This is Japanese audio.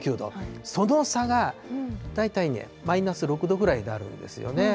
その差が大体ね、マイナス６度ぐらいになるんですよね。